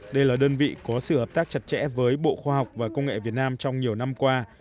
đây là đơn vị có sự hợp tác chặt chẽ với bộ khoa học và công nghệ việt nam trong nhiều năm qua